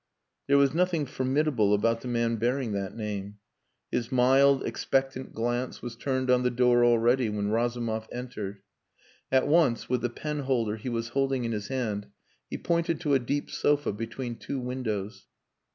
There was nothing formidable about the man bearing that name. His mild, expectant glance was turned on the door already when Razumov entered. At once, with the penholder he was holding in his hand, he pointed to a deep sofa between two windows.